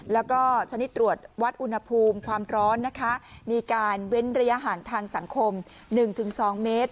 แล้วก็ชนิดตรวจวัดอุณหภูมิความร้อนนะคะมีการเว้นระยะห่างทางสังคม๑๒เมตร